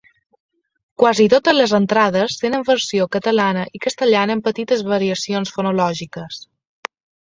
Quasi totes les entrades tenen versió catalana i castellana amb petites variacions fonològiques.